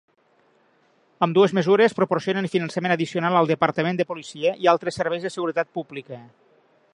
Ambdues mesures proporcionen finançament addicional al departament de policia i a altres serveis de seguretat pública.